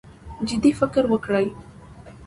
جدي فکر وکړي.